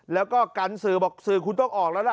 แล้วก็กันสื่อบอกสื่อคุณต้องออกแล้วล่ะ